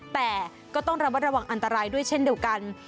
แต่ก็ต้องระมัดระวังอันตรายด้วยเช่นเดียวกัน